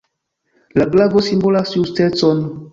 La glavo simbolas justecon.